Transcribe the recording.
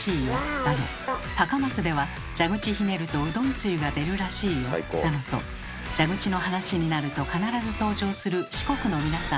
だの「高松では蛇口ひねるとうどんつゆが出るらしいよ」だのと蛇口の話になると必ず登場する四国の皆さん。